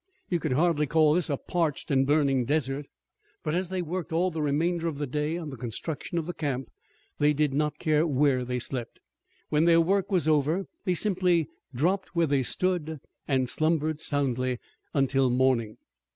You could hardly call this a parched and burning desert." But as they worked all the remainder of the day on the construction of the camp, they did not care where they slept. When their work was over they simply dropped where they stood and slumbered soundly until morning.